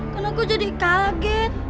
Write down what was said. kan aku jadi kaget